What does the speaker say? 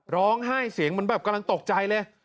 ร้องไห้เสียงเหมือนแบบกำลังตกใจเลย